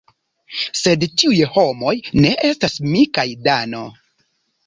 Sed tiuj homoj ne estas mi kaj Dano.